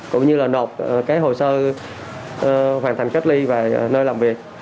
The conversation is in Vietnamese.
cũng như là nộp hồ sơ hoàn thành cách ly và nơi làm việc